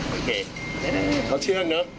โอเคเขาเชื่องเนอะ